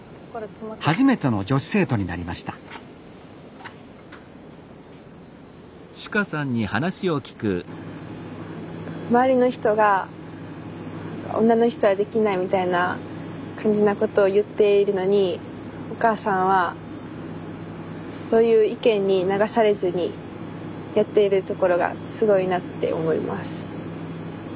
初めての女子生徒になりました周りの人が女の人はできないみたいな感じなことを言っているのにお母さんはそういう意見に流されずにやっているところがすごいなって思います。